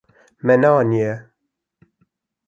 Me neaniye.